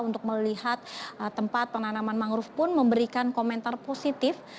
untuk melihat tempat penanaman mangrove pun memberikan komentar positif